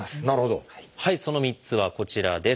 その３つはこちらです。